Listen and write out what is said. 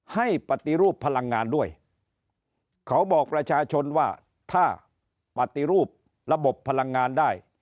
ให้ปฏิรูปพลังงานด้วยเขาบอกประชาชนว่าถ้าปฏิรูประบบพลังงานได้